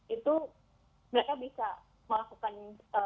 itu mereka bisa melakukan